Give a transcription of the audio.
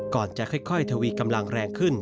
ก่อนจะค่อยทวีกำลังแรงขึ้น